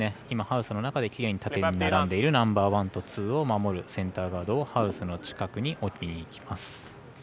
今、ハウスの中できれいに縦に並んでいるナンバーワンとツーを守るセンターガードをハウスの近くに置きにいきます。